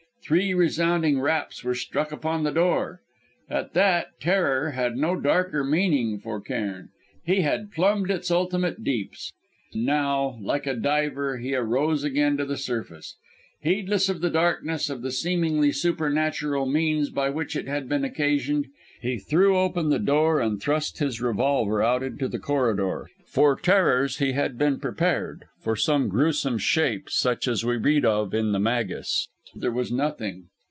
Three resounding raps were struck upon the door. At that, terror had no darker meaning for Cairn; he had plumbed its ultimate deeps; and now, like a diver, he arose again to the surface. Heedless of the darkness, of the seemingly supernatural means by which it had been occasioned, he threw open the door and thrust his revolver out into the corridor. For terrors, he had been prepared for some gruesome shape such as we read of in The Magus. But there was nothing.